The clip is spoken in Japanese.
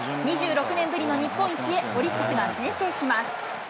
２６年ぶりの日本一へ、オリックスが先制します。